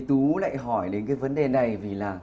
tú lại hỏi đến cái vấn đề này vì là